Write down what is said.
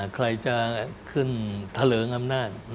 ใครจะขึ้นทะเลิงอำนาจ